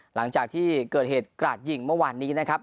หลังจากที่เกิดเหตุกราดยิงเมื่อวานนี้นะครับ